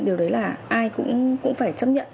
điều đấy là ai cũng phải chấp nhận